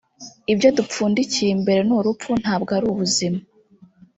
Ibyo dupfundikiye imbere ni urupfu ntabwo ari ubuzima